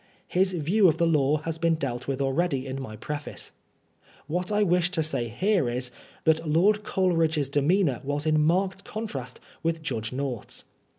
His view of the law has been dealt with already in my Preface. What I wish to say here is, that Loid Coleridge's demeanor was in marked contrast with Judge North's.